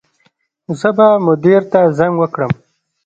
زه به مدیر ته زنګ وکړم